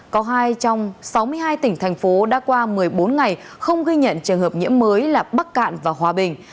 có hai trong sáu mươi hai tỉnh thành phố đã qua một mươi bốn ngày không ghi nhận trường hợp nhiễm mới là bắc cạn và hòa bình